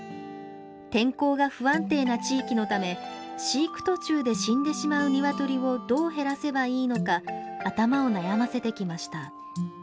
天候が不安定な地域のため飼育途中で死んでしまうニワトリをどう減らせばいいのか頭を悩ませてきました。